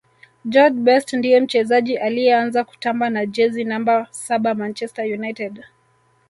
george best ndiye mchezaji aliyeanza kutamba na jezi namba saba manchester united